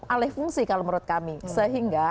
alih fungsi kalau menurut kami sehingga